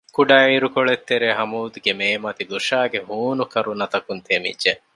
ކުޑަ ޢިރުކޮޅެއްތެރޭ ހަމޫދްގެ މޭމަތި ލޫޝާގެ ހޫނު ކަރުނަތަކުން ތެމިއްޖެ